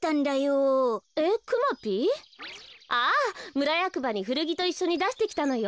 むらやくばにふるぎといっしょにだしてきたのよ。